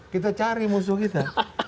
kita cari musuh kita